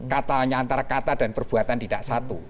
katanya antara kata dan perbuatan tidak satu